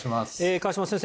河島先生